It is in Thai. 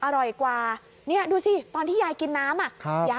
อร่อยกว่านี่ดูสิตอนที่ยายกินน้ำอ่ะ